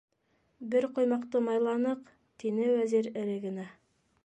- Бер ҡоймаҡты майланыҡ, - тине Вәзир эре генә.